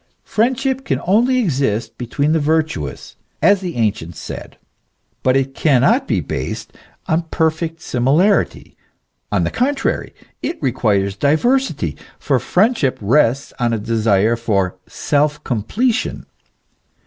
Friendship can only exist between the virtuous, as the ancients said. But it cannot be based on perfect similarity; on the contrary, it requires diversity, for friendship rests on a desire for self completion.